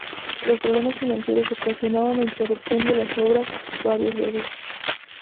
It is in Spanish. Los problemas financieros ocasionaron la interrupción de las obras varias veces.